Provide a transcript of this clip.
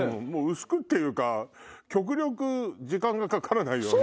薄くっていうか極力時間がかからないように。